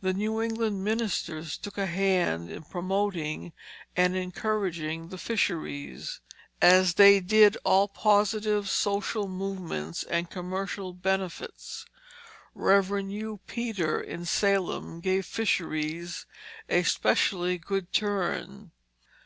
The New England ministers took a hand in promoting and encouraging the fisheries, as they did all positive social movements and commercial benefits. Rev. Hugh Peter in Salem gave the fisheries a specially good turn.